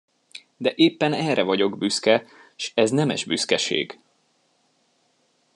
De éppen erre vagyok büszke, s ez nemes büszkeség!